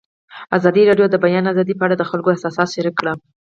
ازادي راډیو د د بیان آزادي په اړه د خلکو احساسات شریک کړي.